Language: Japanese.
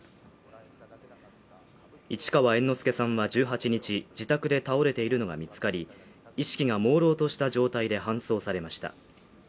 市川猿之助さんは１８日、自宅で倒れているのが見つかり、意識が朦朧とした状態で搬送されました。